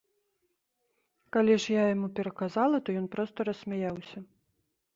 Калі ж я яму пераказала, то ён проста рассмяяўся.